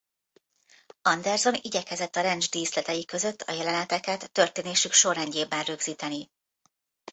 Anderson igyekezett a ranch díszletei között a jeleneteket történésük sorrendjáben rögzíteni.